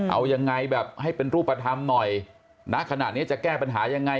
เอายังไงแบบให้เป็นรูปธรรมหน่อยณขณะนี้จะแก้ปัญหายังไง